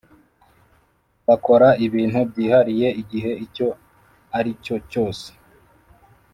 Bakora ibintu byihariye igihe icyo aricyo cyose